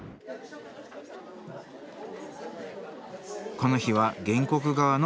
この日は原告側の敗訴。